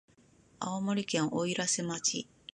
青森県おいらせ町